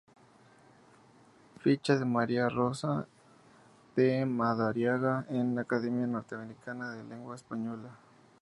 Ficha de María Rosa de Madariaga en la Academia Norteamericana de la Lengua Española